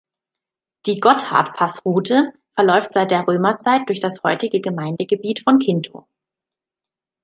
Die Gotthard-Passroute verläuft seit der Römerzeit durch das heute Gemeindegebiet von Quinto.